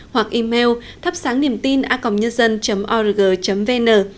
hoặc email thapsángniềmtinacomnhân org vn